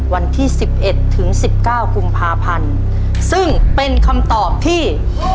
วันที่๑๑ถึงสิบเก้ากุมภาพันธ์ซึ่งเป็นคำตอบที่